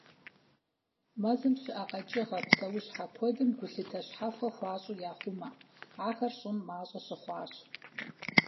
Мэзым щыӀэ къэкӀыгъэ, псэущхьэ куэдым гулъытэ щхьэхуэ хуащӀу яхъумэ: ахэр щӀым мащӀэ щыхъуащ.